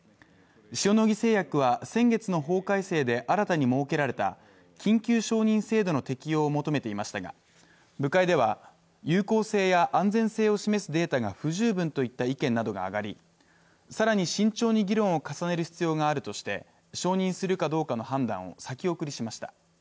塩野義製薬は先月の法改正で新たに設けられた緊急承認制度の適用を求めていましたが部会では有効性や安全性を示すデータが不十分といった意見などが上がり、更に慎重に議論を重ねる必要があるとして承認するかどうかの判断を先送りしました。